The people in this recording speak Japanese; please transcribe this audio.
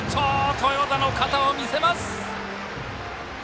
豊田の肩を見せます！